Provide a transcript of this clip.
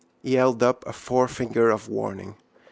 _ He held up a forefinger of warning.